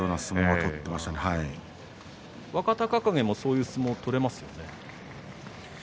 若隆景もそういう相撲取れますよね。